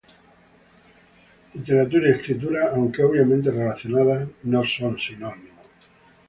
Literatura y escritura, aunque obviamente relacionadas, no son sinónimos.